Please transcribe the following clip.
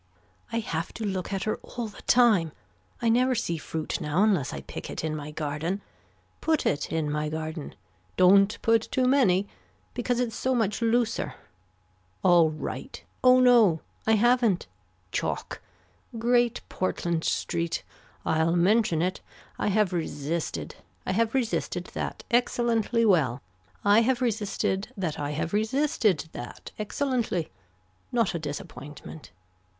I have to look at her all the time. I never see fruit now unless I pick it in my garden. Put it in my garden. Don't put too many. Because it's so much looser. All right. Oh no. I haven't. Chalk. Great Portland Street. I'll mention it. I have resisted. I have resisted that excellently well. I have resisted that I have resisted that excellently. Not a disappointment.